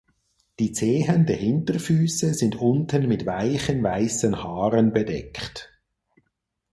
Die Zehen der Hinterfüße sind unten mit weichen weißen Haaren bedeckt.